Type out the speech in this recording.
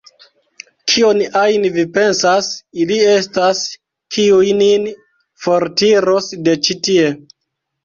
Kion ajn vi pensas, ili estas, kiuj nin fortiros de ĉi tie.